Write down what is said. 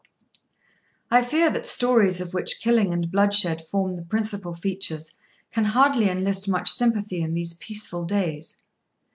I fear that stories of which killing and bloodshed form the principal features can hardly enlist much sympathy in these peaceful days.